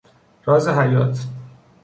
راز حیات